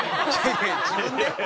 「いやいや自分で？」